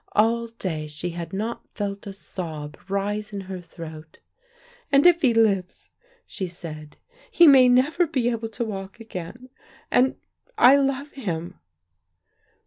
All day she had not felt a sob rise in her throat. "And if he lives," she said, "he may never be able to walk again, and I love him."